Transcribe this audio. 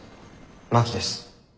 真木です。